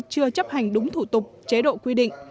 chưa chấp hành đúng thủ tục chế độ quy định